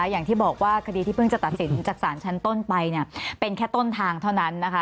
อย่างที่บอกว่าคดีที่เพิ่งจะตัดสินจากศาลชั้นต้นไปเป็นแค่ต้นทางเท่านั้นนะคะ